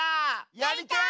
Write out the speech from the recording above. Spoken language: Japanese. やりたい！